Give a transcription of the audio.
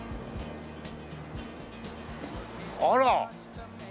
あら！